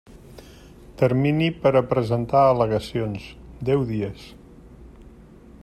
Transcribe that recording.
Termini per a presentar al·legacions: deu dies.